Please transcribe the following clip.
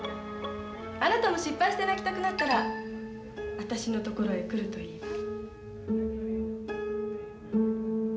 あなたも失敗して泣きたくなったら私のところへ来るといいわ。